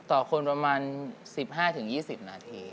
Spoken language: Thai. ต่อคนประมาณ๑๕๒๐นาที